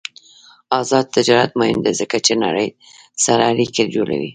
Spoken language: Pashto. آزاد تجارت مهم دی ځکه چې نړۍ سره اړیکې جوړوي.